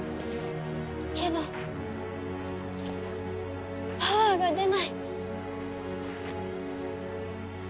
けどパワーが出ない。